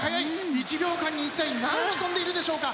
１秒間に一体何機飛んでいるんでしょうか？